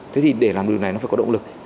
thế thì để làm điều này nó phải có động lực